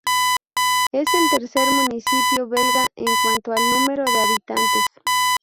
Es el tercer municipio belga en cuanto al número de habitantes.